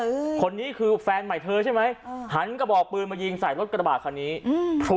อืมคนนี้คือแฟนใหม่เธอใช่ไหมอ่าหันกระบอกปืนมายิงใส่รถกระบาดคันนี้อืม